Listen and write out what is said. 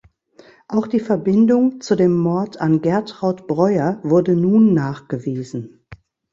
Auch die Verbindung zu dem Mord an Gertraud Bräuer wurde nun nachgewiesen.